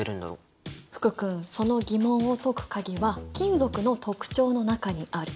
福君その疑問を解く鍵は金属の特徴の中にある！